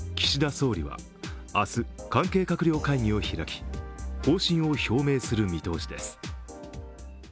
岸田総理は明日、関係閣僚会議を開き、方針を表明する見通しです。